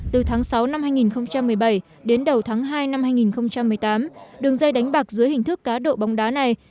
từ tháng sáu năm hai nghìn một mươi bảy đến đầu tháng hai năm hai nghìn một mươi tám đường dây đánh bạc dưới hình thức cá độ bóng đá này